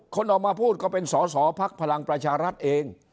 คนออกมาพูดก็เป็นสอสอภักดิ์พลังประชารัฐเอง